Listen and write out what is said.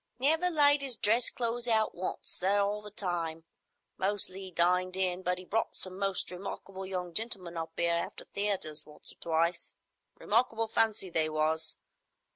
"Never laid 'is dress clothes out once, sir, all the time. Mostly 'e dined in; but 'e brought some most remarkable young gentlemen up 'ere after theatres once or twice. Remarkable fancy they was.